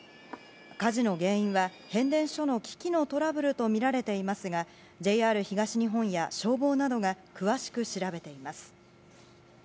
火事の原因は変電所の機器のトラブルとみられていますがＪＲ東日本や消防などが詳しく調べています。